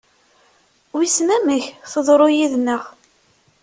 Wissen amek teḍru yid-neɣ?